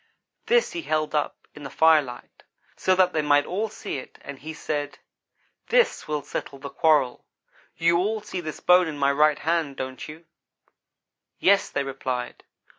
This he held up in the firelight, so that they might all see it, and he said: "'This will settle the quarrel. You all see this bone in my right hand, don't you?' "'Yes,' they replied.